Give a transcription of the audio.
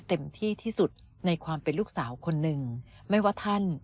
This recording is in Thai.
เต็มที่ที่สุดในความเป็นลูกสาวคนหนึ่งไม่ว่าท่าน